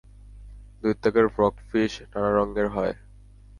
দৈত্যাকার ফ্রগফিশ নানা রঙের হয়।